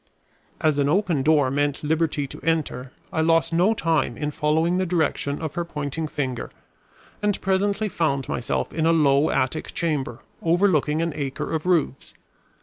As an open door meant liberty to enter, I lost no time in following the direction of her pointing finger, and presently found myself in a low attic chamber overlooking an acre of roofs.